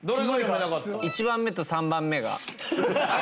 １番目と３番目が。